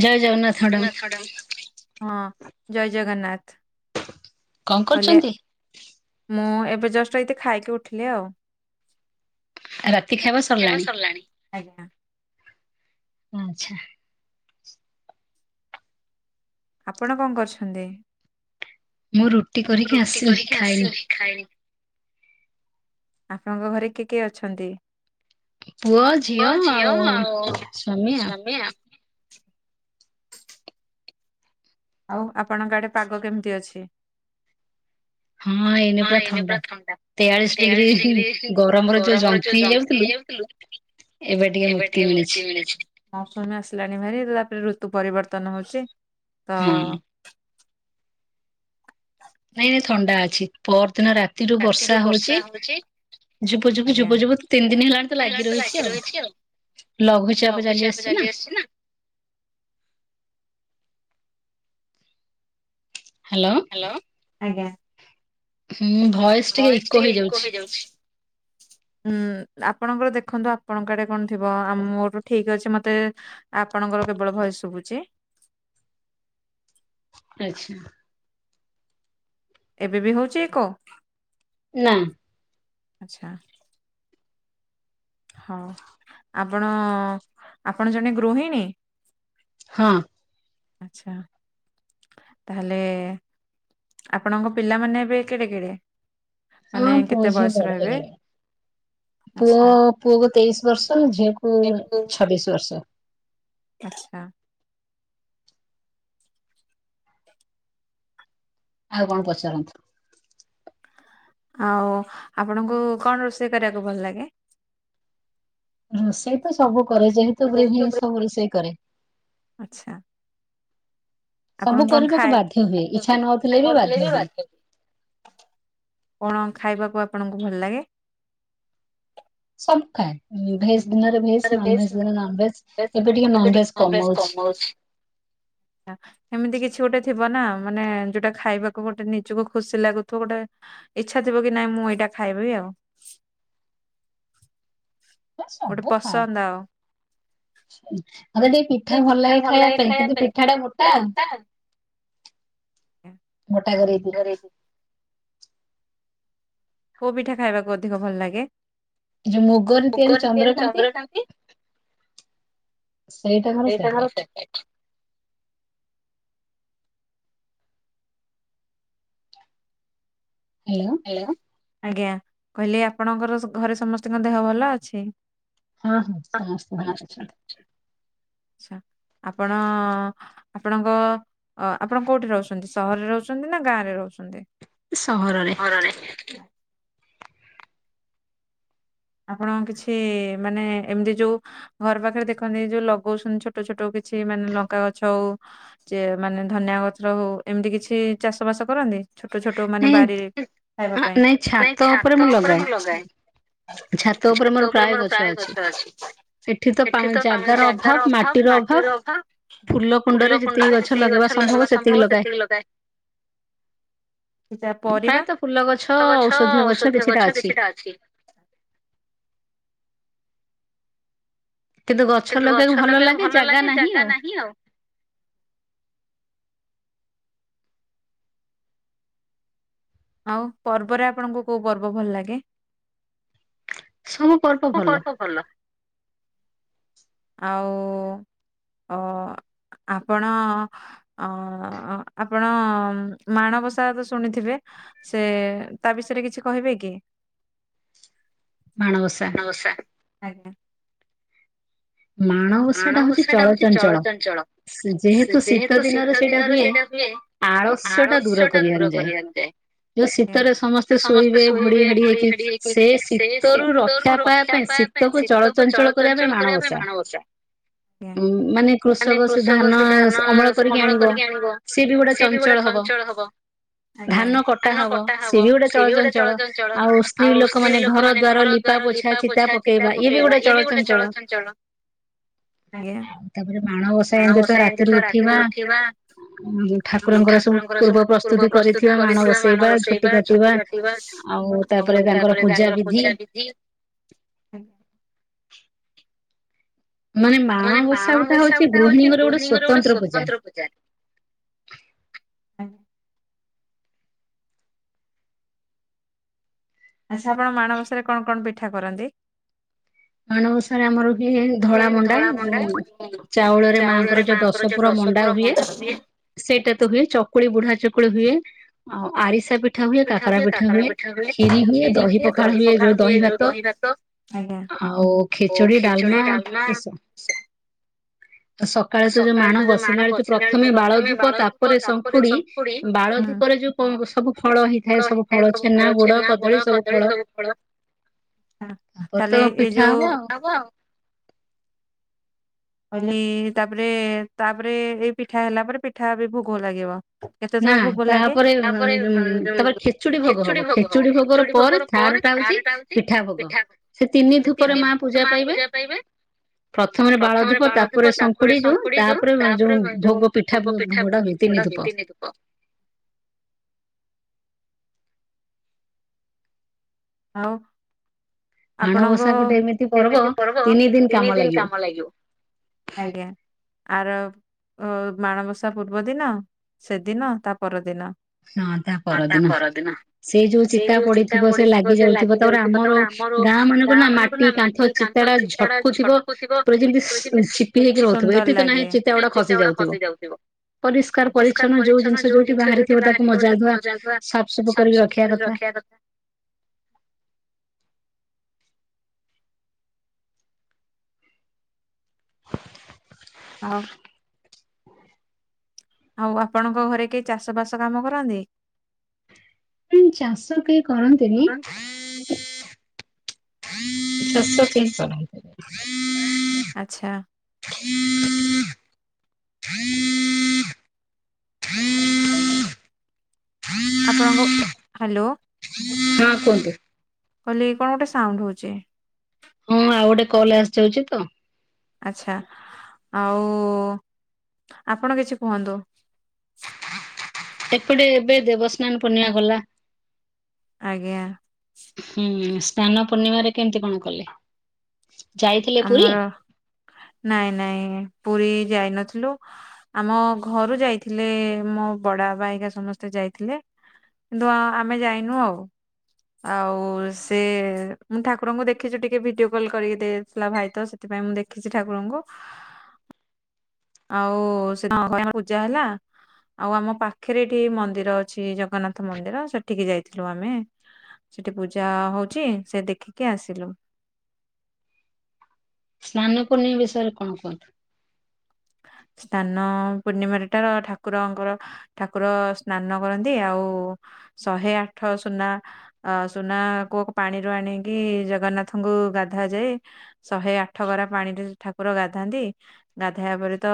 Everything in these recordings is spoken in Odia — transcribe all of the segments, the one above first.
ଜୟ ଜଗନ୍ନାଥ ମ୍ୟାଡ଼ାମ ନଛାଡୁ, ହଁ ଜୟ ଜଗନ୍ନାଥ। କଣ କହିଲେ କରୁଛନ୍ତି? ମୁଁ ଏବେ ଜଷ୍ଟ ଏଇତି ଖାଇକି ଉଠିଲି ଆଉ। ଖାଇବା ସରିଲାଣି? ଆଜ୍ଞା। ହଁ ଆଚ୍ଛା। ଆପଣ କଣ କରୁଛନ୍ତି? ମୁଁ ରୁଟି କରିକି ରୁଟି ଆସିଲି, କରିକି ଖାଇବି। ଆସିଲି ଖାଇବି। ଆପଣଙ୍କ ଘରେ କିଏ କିଏ ଅଛନ୍ତି? ପୁଅ ଝିଅ ଆଉ ସ୍ଵାମୀ ଆଉ [unintelligible] ଆଉ ଆପଣଙ୍କ ଆଡ଼େ ପାଗ କେମିତି ଅଛି? ହଁ ଏଇନେ ପୁରା ଥଣ୍ଡା। ତେୟାଳିଶ ଡ଼ିଗ୍ରୀ ଗରମରେ ଯଉ ଜନ୍ତି ହେଇଯାଉଥିଲୁ ଏବେ ଟିକେ ମୁକ୍ତି ମିଳିଛି। ମୌସୁମୀ ଆସିଲାଣି ଭାରି ରାପରେ ଋତୁ ପରିବର୍ତ୍ତନ ହଉଛି ତ ହଁ ଏଇନେ ଥଣ୍ଡା ଅଛି। ପରଦିନ ରାତିରୁୁ ରାତିରୁ ବର୍ଷା ହଉଚି। ହଉଛି ଝୁପୁ -ଝୁପୁ ଦିନ -ଝୁପୁ- ଝୁପୁ ତିନି ଦିନ ହେଲାଣି ତ ଲାଗି ରହିଛି ଆଉ। ଲଘୁଚାପ ଚାଲି ଆସିଚି ନା। ହ୍ୟାଲୋ। ହ୍ୟାଲୋ, ଆଜ୍ଞା। ହୁଁ ଭଏସ୍ ଟିକେ ଇକୋ ହେଇଯାଉଛି। ଉୁଁ ଆପଣଙ୍କର ଦେଖନ୍ତୁ ଆପଣଙ୍କ ଆଡ଼େ କଣ ଥିବ ଆମ ମୋର ଠିକ୍ ଅଛି ମତେ ଆପଣଙ୍କର କେବଳ ଭଏସ୍ ଶୁଭୁଛି। ଆଚ୍ଛା। ଏବେ ବି ହଉଚି ଏକ ନାଁ। ଆଚ୍ଛା। ହଁ ଆପଣ ଆପଣ ଜଣେ ଗୃହିଣୀ? ହଁ। ଆଚ୍ଛା। ତାହେଲେ ଆପଣଙ୍କ ପିଲାମାନେ ଏବେ କେଡ଼େ କେଡ଼େ? ହଁ ପୁଅ ଝିଅ ବଡ଼ ହେଇଗଲେଣି। ପୁଅ ଆଚ୍ଛା। ପୁଅକୁ ତେଇଶି ବର୍ଷ ଝିଅକୁ ଛବିଶ ବର୍ଷ। ଆଚ୍ଛା। ଆଉ କଣ ପଚାରନ୍ତୁ? ଆଉ ଆପଣଙ୍କୁ କଣ ରୋଷେଇ କରିବାକୁ ଭଲ ଲାଗେ? ରୋଷେଇ ତ ସବୁ କରେ ଯେହେତୁ ଗୃହିଣୀ ସବୁ ରୋଷେଇ କରେ। ଆଚ୍ଛା। ସବୁ ଆପଣ କଣ କରିବାକୁ ଖାଏ ବାଧ୍ୟ ହୁଏ ଇଚ୍ଛା ନଥିଲେ ବି ବାଧ୍ୟ ହୁଏ। [unintelligible] କଣ ଖାଇବାକୁ ଆପଣଙ୍କୁ ଭଲ ଲାଗେ? ସବୁ ଖାଏ ଭେଜ ଦିନରେ ଭେଜ ତାର ଭେଜ୍ ନନଭେଜ ଦିନରେ ନନଭେଜ୍ ନନଭେଜ ଏବେ ଟିକେ ନନଭେଜ କମଉଛି। ଏମିତି କିଛି ଗୋଟେ ଥିବ ନା ମାନେ ଯୋଉଟା ଖାଇବାକୁ ଗୋଟେ ନିଜକୁ ଖୁସି ଲାଗୁଥିବ ଗୋଟେ ଇଚ୍ଛା ଥିବ କି ନାଇଁ ମୁଁ ଏଇଟା ଖାଇବି ଆଉ। ଗୋଟେ ସବୁ ଖାଏଁ। ପସନ୍ଦ ଆଉ। ଆଚ୍ଛା ଆଚ୍ଛା ଅଥେଣ୍ଟିକ୍ ପିଠା ଭଲ ଲାଗେ ଖାଇବା ପାଇଁ କିନ୍ତୁ ପିଠା ଟା ମୋଟା ମୋଟା କରେଇ ଦିଏ। ଧରେଇଛି। କୋଉ ପିଠା ଖାଇବାକୁ ଅଧିକ ଭଲ ଲାଗେ? ମୁଗରେ ତିଆରି ଚନ୍ଦ୍ରକାନ୍ତି। ସେଇଟା ମୋର ଏଇଟା ଫେଭରାଇଟ୍। Favourite hello. ହେଲୋ ଆଜ୍ଞା କହିଲି ଆପଣଙ୍କର ସ ଘରେ ସମସ୍ତଙ୍କ ଦେହ ଭଲ ଅଛି? ହଁ ହଁ ସମସ୍ତେ ଭଲ ଅଛନ୍ତି। ଚ୍ଛା ଆପଣ ଆପଣଙ୍କ ଅ ଆପଣ କୋଉଠି ରହୁଛନ୍ତି ସହରରେ ରହୁଛନ୍ତି ନା ଗାଁରେ ରହୁଛନ୍ତି? ସହରରେ। ଘରରେ ଆପଣ କିଛି ମାନେ ଏମତି ଯୋଉ ଘର ପାଖରେ ଦେଖନ୍ତି ଯୋଉ ଲଗଉଛନ୍ତି ଛୋଟ ଛୋଟ କିଛି ମାନେ ଲଙ୍କା ଗଛ ହଉ ଚେ ମାନେ ଧନିଆ ଗଛର ହଉ ଏମିତି କିଛି ଚାଷ ବାସ କରନ୍ତି। ଛୋଟ ଛୋଟ ମାନେ ନାଇଁ ବାରିରେ ଖାଇବା ପାଇଁ ନାଇଁ ଛାତ ଉପରେ ମୁଁ ଲଗାଏ। ଛାତ ଉପରେ ମୋର ପ୍ରାଏ ଗଛ ଅଛି। ଏଠି ତ ପା ଜାଗାର ଅଭାବ ମାଟିର ଅଭାବ। ଫୁଲ କୁଣ୍ଡରେ ଯେତିକି ଗଛ ଲଗୁବା। ସମ୍ଭବ ସେତିକି ଲଗାଏ। [unintelligible] ପରିବା? ଆଉ ଗଛ ଔଷଧୀୟ ଗଛ କିଛିଟା ଅଛି। କିନ୍ତୁ ଗଛ ଲଗେଇଆକୁ ଭଲ ଲାଗେ ଜାଗା ନାହିଁ ଆଉ। ଆଉ ପର୍ବରେ ଆପଣଙ୍କୁ କୋଉ ପର୍ବ ଭଲ ଲାଗେ? ସବୁ ପର୍ବ। ବୁ ପର୍ବ ଭଲ। ଆଉ ଅ ଆପଣ ଅ ଆପଣ ମାଣବସା ଏବେ ଶୁଣିଥିବେ? ସେ ତା ବିଷୟରେ କିଛି କହିବେ କି? ମାଣବସା। ଦୋସା ଆଜ୍ଞା। ମାଣବସା ଟା ହଉଛି ଚଳଚଞ୍ଚଳ। ସେ ଯେହେତୁ ଶୀତ ଦିନରେ ସେଇଟା ହୁଏ। ଆଳସ୍ୟ ଟା ଦୂର କରି ନିଆ ଯାଏ। ଯୋଉ ଆଜ୍ଞା। ଶୀତରେ ସମସ୍ତେ ଶୋଇବେ ଘୋଡେଇ ଘାଡ଼େଇ ହେଇକି ସେ ଶୀତ ରୁ ରକ୍ଷା ପାଇବା ପାଇଁ ଶୀ ଶୀତକୁ ଚଳଚଞ୍ଚଳ କରିବା ପାଇଁ ମାଣବସା। ମାନେ କୃଷକ ସେ ଧାନ ଆ ଅମଳ କରିକି ଆଣିବ ସେ ବି ଗୋଟେ ଚଞ୍ଚଳ ହବ। ହବ। ଧାନ କଟା ହବ ସିଏ ବି ଗୋଟେ ଚଳଚଞ୍ଚଳ। ଆଉ ସ୍ତ୍ରୀ ଲୋକ ମାନେ ଘର ଦ୍ୱାର ଲିପା ପୋଛା ଚିତା ପକେଇବା ଇଏ ବି ଗୋଟେ ଚଳଚଞ୍ଚଳ। ଆଜ୍ଞା। ଆଉ ତାପରେ ମାଣ ବସା ଏମିତି ତ ରାତିରୁ ଉଠିବା। ଠାକୁରଙ୍କର ସବୁ ପୂର୍ବ ପ୍ରସ୍ତୁତି କରିଥିବା ମାଣ ବସେଇବା ଝୋଟି କାଟିବା ଆଉ ତାପରେ ତାଙ୍କର ପୂଜା ବିିଧି। ମାନେ ମାଣବସା ଗୋଟା ହଉଛି ଗୃହିଣୀଙ୍କର ଗୋଟେ ସ୍ୱତନ୍ତ୍ର ପୂଜା। ଆଜ୍ଞା ଆଚ୍ଛା ଆପଣ ମାଣବସାରେ କଣ କଣ ପିଠା କରନ୍ତି? ମାଣବସାରେ ଆମର ହୁଏ ଧଳା ମଣ୍ଡା। ଚାଉଳରେ ମାଆଙ୍କର ଯୋଉ ଦ ସ ପୁର ମଣ୍ଡା ହୁଏ। ସେଇଟା ତ ହୁଏ ଚକୁଳି ବୁଢା ଚକୁଳି ହୁଏ ଆଉ ଆରିସା ପି ପିଠା ହୁଏ। କାକରା ପିଠା ହୁଏ। କ୍ଷିରି ହୁଏ। ଦହି ପଖାଳ ହୁଏ ଯୋଉ ଦହି ଭାତ। ଆଜ୍ଞା। ଆଉ ଓ ଖେଚୋଡି ଖେଚୁଡି ଡାଲମା ଏସବୁ। ସକାଳେ ତ ଯୋଉ ମାଣ ବସିଲା ବେଳେ ଯୋଉ ପ୍ରଥମେ ବାଳ ଧୂପ ତାପରେ ଶଙ୍ଖୁଡି ବାଳ ଧୂପରେ ଯୋଉ ସବୁ ଫଳ ହେଇଥାଏ ସବୁ ଫଳ। ଛେନା, ଗୁଡ, କଦଳୀ ସବୁ ଫଳ। ତାପରେ ତ ତାହେଲେ ଏଇ ପିଠା ଯୋ ହବ ଆଉ। କହିଲି ତାପରେ ତାପରେ ଏଇ ପିଠା ହେଲା ପରେ ପିଠା ବି ଭୋଗ ଲାଗିବ। କେତେ ନା ଥର ଭୋଗ ଲାଗେ? ତାପରେ ପରେ ଉଁ ତାପରେ ଖେଚୁଡି ଭୋଗ ହବ ଖେଚୁଡି ଭୋଗର ପରେ ଥାର୍ଡ ଟା ହଉଛି [unintelligible] ଯାଉଛି ଭୋଗ ପିଠା। ତି ତିନିଥର ମା ପୂଜା ପାଇବେ। ପ୍ରଥମରେ ବାଳଧୂପ ତାପରେ ଶଙ୍କୁଡି ଯୋଉ ତାପରେ ଯୋଉ [unintelligible] ଭୋଗ ପିଠା। [unintelligible] ତିନି ଧୂପ। ଆଉ ଆପଣଙ୍କ ଏମିତି ପର୍ବ ତିନି ଦିନ କାମ ଲାଗିବ। ଆର ମାଣବସା ପୂର୍ବ ଦିନ ସେଦିନ ତା ପରଦିନ। ହଁ ହଁ ତା ପରଦିନ ପରଦିିନ ସେ ଯୋଉ ଚିତା ପଡି ବ ସେ ଲାଗି ଯାଉଥିବ। ତାପରେ ଆମର ଗାଁ ମାନଙ୍କର ନା ମାଟି କାନ୍ଥ ଚିତାଟା ଛଟା ପୁରା ଯେମିତି ସ ଛିପି ହେଇକି ରହୁଥିବ ସୁନ୍ଦର ଏଠି ତ ନାହିଁ ଲାଗେ। ଚିତା ଗୁଡା ଖସି ପରିଷ୍କାର ଯାଉଥିବ ପରିଛନ୍ନ ପରିଷ୍କାର ପରିଚ୍ଛନ୍ନ ଯୋଉ ଜିନିଷ ଯୋଉଠି ବାହାରିଥିବ ତାକୁ ବାହାରେ ମଜା କୋଉଟା ଧୁଆ ନଜାଣିବା ସାଫସଫ୍ କରିକି ରଖିବା କଥା। ଆଉ ଆଉ ଆପଣଙ୍କ ଘରେ କେହି ଚାଷ ବାସ କାମ କରନ୍ତି? କଣ ଚାଷ କେହି କରନ୍ତିନି। ଚାଷ କେହି କରନ୍ତି। ଆଚ୍ଛା। ଆପଣଙ୍କ ହ୍ୟାଲୋ ହଁ କୁହନ୍ତୁ। କହିଲି କଣ ଗୋଟେ ସାଉଣ୍ଡ ହଉଛି। ହଁ ଆଉ ଗୋଟେ କଲ୍ ଆସିଯାଉଛି ତ। ଆଚ୍ଛା ଆଉ ଆପଣ କିଛି କୁହନ୍ତୁ। ଏପଟେ ଏବେ ଦେବସ୍ନାନ ପୂର୍ଣ୍ଣିମା ଗଲା। ଆଜ୍ଞା। ହୁଁ ସ୍ନାନ ପୂର୍ଣ୍ଣିମାରେ କେମିତି କଣ କଲେ? ଯାଇଥିଲେ ପୁରୀ? ଆମର ନାଇଁ ନାଇଁ ପୁରୀ ଯାଇନଥିଲୁ। ଆମ ଘରୁ ଯାଇଥିଲେ ମୋ ବଡବାବା ହେଇକା ସମସ୍ତେ ଯାଇଥିଲେ। କିନ୍ତୁ ଆମେ ଯାଇନୁ ଆଉ ଆଉ ସେ ମୁଁ ଠାକୁରଙ୍କୁ ଦେଖିଛୁ ଟିକେ ଭିଡିଓ କଲ କରିକି ଦେଇଥିଲା ଭାଇ ତ ସେଥିପାଇଁ ମୁଁ ଦେଖିଛି ଠାକୁରଙ୍କୁ ଆଉ ସେ ପୂଜା ହେଲା ଆଉ ଆମ ପାଖରେ ଏଠି ମନ୍ଦିର ଅଛି ଜଗନ୍ନାଥ ମନ୍ଦିର ସେଠିକି ଯାଇଥିଲୁ ଆମେ। ସେଠି ପୂଜା ହଉଛି ସେ ଦେଖିକି ଆସିଲୁ ସ୍ନାନ ପୂର୍ଣ୍ଣିମା ବିଷୟରେ କଣ କୁହନ୍ତୁ? ସ୍ନାନ ପୂର୍ଣ୍ଣିମାରେଟାର ର ଠାକୁରଙ୍କର ଠାକୁର ସ୍ନାନ କରନ୍ତି ଆଉ ଶହେ ଆଠ ସୁନା ଅ ସୁନା କୁଅ ପାଣିରୁ ଆଣିକି ଜଗନ୍ନାଥଙ୍କୁ ଗାଧୁଆ ଯାଏ। ଶହେ ଆଠ ଗରା ପାଣିରେ ଠାକୁର ଗାଧାନ୍ତି। ଏହାପରେ ତ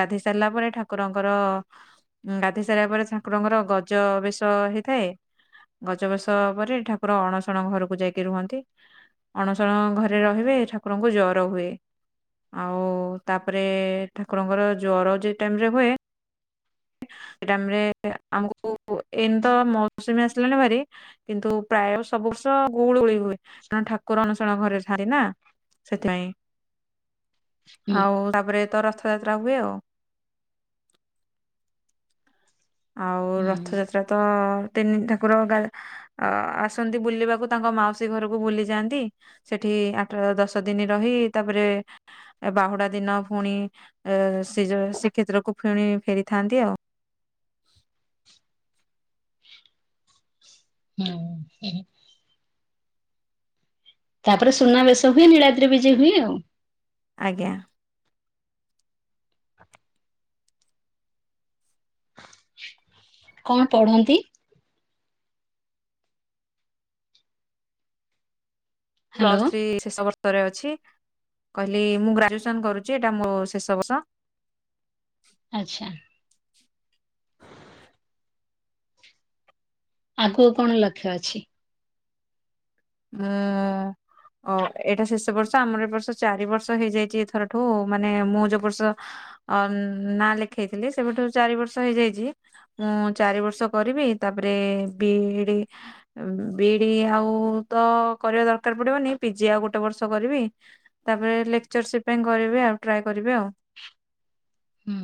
ଗାଧୋଇ ସାରିଲା ପରେ ଠାକୁରଙ୍କର ଗାଧୋଇ ସାରିବା ପରେ ଠାଙ୍କୁରଙ୍କର ଗଜ ବେଶ ହେଇଥାଏ। ଗଛ ବେସ ପରେ ଠାକୁର ଅଣସଣ ଘରକୁ ଯାଇକି ରୁହନ୍ତି। ଅଣସଣ ଘରେ ରହିବେ ଠାକୁରଙ୍କୁ ଜର ହୁଏ ଆଉ ତା ତାପରେ ଠାକୁରଙ୍କର ଜ୍ୱର ଯଉ ଟାଇମ ରେ ହୁଏ। ଏଇ ଟାଇମରେ ଆମକୁ ଏମିତ ମୌସୁମୀ ଆସିଲାନି ଭାରି କିନ୍ତୁ ପ୍ରାୟ ସବୁ ବର୍ଷ ଗୁଳୁ ଗୁଳି ହୁଏ କଣ ଠାକୁର ଅନୁଶଣ ଘରେ ଥାଆନ୍ତି ନା। ସେଥିପାଇଁ ହୁଁ ଆଉ ତାପରେ ତ ରଥଯାତ୍ରା ହୁଏ ଆଉ। ଆଉ ହୁଁ ରଥଯାତ୍ରା ତ ତିନି ଠାକୁର ଗା ଅ ଆସନ୍ତି ବୁଲିବାକୁ ତାଙ୍କ ମାଉସୀ ଘରକୁ ବୁଲି ଯାଆନ୍ତି। ସେଠି ଆଠ ଦଶ ଦିନ ରହି ତାପରେ ଏ ବାହୁଡା ଦିନ ପୁଣି ଏ [unintelligible] ଶ୍ରୀକ୍ଷେତ୍ରକୁ ଫୁଣି ଫେରିଥାନ୍ତି ଆଉ। ହୁ [unintelligible] ତାପରେ ସୁନାବେେଶ ହୁଏ ନିଳାଦି ବିଜେ ହୁଏ ଆଉ। ଆଜ୍ଞା। କଣ ପଢନ୍ତି? ହ୍ୟାଲୋ ପ୍ଲସ୍ ଥ୍ରୀ [unintelligible] ରେ ଅଛି କହିଲି ମୁଁ ଗ୍ରାଜୁଏସନ କରୁଛି ଏଇଟା ମୋ ଶେଷ ବର୍ଷ। ଆଚ୍ଛା। ଆଗକୁ କଣ ଲକ୍ଷ୍ୟ ଅଛି? ହଁ। ଓ ଏଇଟା ଶେଷ ବର୍ଷ ଆମର ଏ ବର୍ଷ ଚାରି ବର୍ଷ ହେଇଯାଇଛି ଏଥରଠୁ ମାନେ ମୁଁ ଯୋଉ ବର୍ଷ ଅ ନାଁ ଲେଖେଇଥିଲି ସେବେଠୁ ଚାରି ବର୍ଷ ହେଇଯାଇଚି। ମୁଁ ଚାରି ବର୍ଷ କରିବି ତାପରେ ବିଇଡି ବିଇଡି ଆଉ ତ କରିବା ଦରକାର ପଡିବନି ପିଜି ଆଉ ଗୋଟେ ବର୍ଷ କରିବି। ତାପରେ ଲେକ୍ଚରସିପ୍ ପାଇଁ କରିବି ଆଉ ଟ୍ରାଏ କରିବି ଆଉ। ହୁଁ।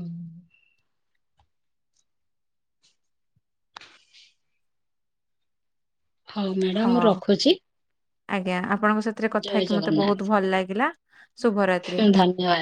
ହଉ ହଁ ମ୍ୟାଡ଼ାମ ମୁଁ ରଖୁଚି। ଆଜ୍ଞା ଆପଣଙ୍କ ସାଥିରେ କଥା ହେଇକି ମତେ ବହୁତ୍ ଜଗନ୍ନାଥ ଭଲ ଲାଗିଲା ଶୁଭରାତ୍ରି। ଧନ୍ୟବାଦ।